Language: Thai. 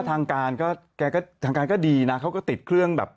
ทางการก็ดีนะเขาก็ติดเครื่องแบบ